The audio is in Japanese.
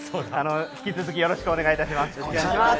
引き続き応援よろしくお願いします。